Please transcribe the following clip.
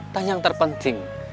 dan yang terpenting